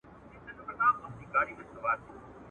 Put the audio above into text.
پر هر میدان دي بری په شور دی !.